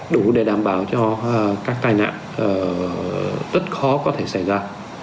đủ để đảm bảo cho các tai nạn rất khó có thể xảy ra